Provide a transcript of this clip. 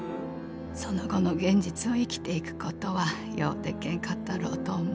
その後の現実を生きていく事はようでけんかったろうと思う」。